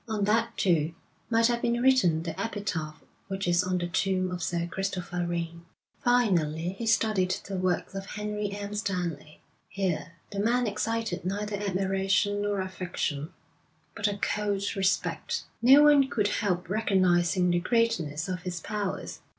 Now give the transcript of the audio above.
On that, too, might have been written the epitaph which is on the tomb of Sir Christopher Wren. Finally he studied the works of Henry M. Stanley. Here the man excited neither admiration nor affection, but a cold respect. No one could help recognising the greatness of his powers.